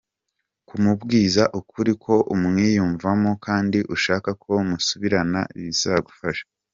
Kumubwiza ukuri ko umwiyumvamo kandi ushaka ko musubirana bizagufasha.